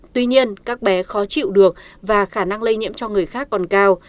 tuy nhiên các bé khó chịu được và khả năng lây nhiễm cho người khác còn cao